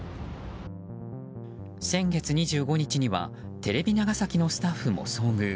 先月２５日にはテレビ長崎のスタッフも遭遇。